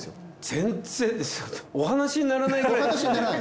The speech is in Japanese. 全然お話にならないくらい。